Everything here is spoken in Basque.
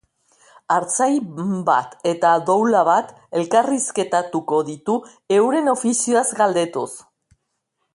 Artzain bat eta doula bat elkarrizketatuko ditu euren ofizioaz galdetuz.